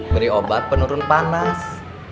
beri obat penurun panas